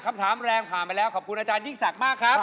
คำถามแรงผ่านไปแล้วขอบคุณอาจารยิ่งศักดิ์มากครับ